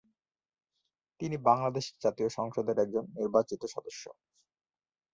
তিনি বাংলাদেশ জাতীয় সংসদের একজন নির্বাচিত সদস্য।